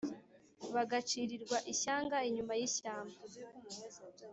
Bagacirirwa ishyanga inyuma y'ishyamba